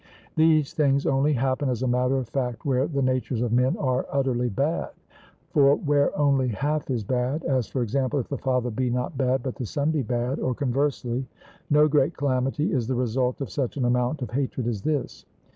These things only happen, as a matter of fact, where the natures of men are utterly bad; for where only half is bad, as, for example, if the father be not bad, but the son be bad, or conversely, no great calamity is the result of such an amount of hatred as this.